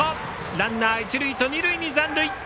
ランナー、一塁と二塁に残塁。